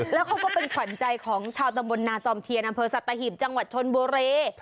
แล้วเขาก็เป็นขวัญใจของชาวตำบลนาจอมเทียนอำเภอสัตหีบจังหวัดชนบุรี